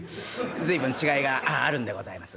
随分違いがあるんでございますが。